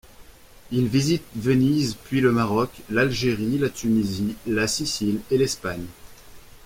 Il visite Venise puis le Maroc, l'Algérie, la Tunisie, la Sicile et l'Espagne.